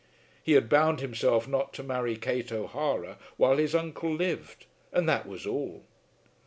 He had bound himself not to marry Kate O'Hara while his uncle lived, and that was all.